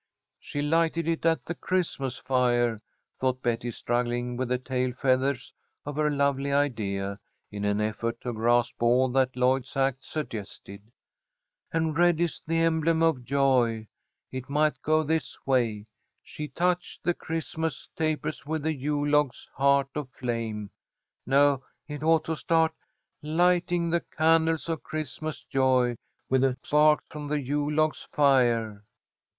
"She lighted it at the Christmas fire," thought Betty, struggling with the tail feathers of her lovely idea, in an effort to grasp all that Lloyd's act suggested. "And red is the emblem of joy. It might go this way: 'She touched the Christmas tapers with the Yule log's heart of flame.' No, it ought to start, "Lighting the candles of Christmas joy, With a spark from the Yule log's fire."